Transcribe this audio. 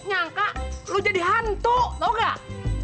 nyangka lo jadi hantu tau nggak